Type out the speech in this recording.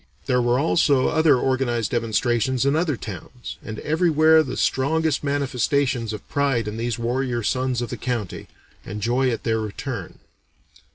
There were also other organized demonstrations in other towns, and everywhere the strongest manifestations of pride in these warrior sons of the county, and joy at their return.